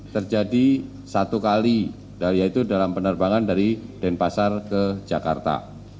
terjadi satu kali yaitu dalam penerbangan dari denpasar ke jakarta